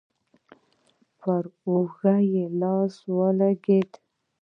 پر اوږه يې لاس ولګېد.